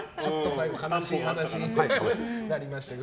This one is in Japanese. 最後悲しい話になりましたが。